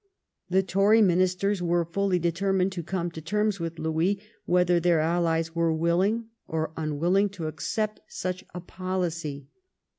The Tory Ministers were fully determined to come to terms with Louis, whether their allies were willing or unwilling to accept such a poUcy.